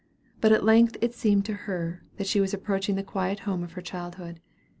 But at length it seemed to her that she was approaching the quiet home of her childhood.